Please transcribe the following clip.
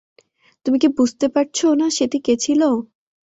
তুমি কি বুঝতে পারছো না সেতি কে ছিল?